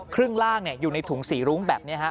ครึ่งล่างเนี่ยอยู่ในถุงสี่รุ้งแบบเนี่ยฮะ